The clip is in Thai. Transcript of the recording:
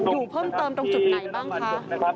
อยู่เพิ่มเติมตรงจุดไหนบ้างคะ